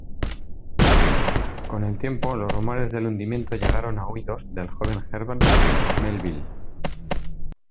Con el tiempo los rumores del hundimiento llegaron a oídos del joven Herman Melville.